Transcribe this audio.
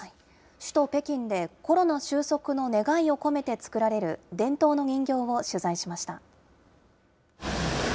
首都北京でコロナ収束の願いを込めて作られる伝統の人形を取材しました。